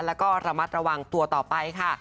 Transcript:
แล้วก็ระมัดระวังตัวต่อไปค่ะ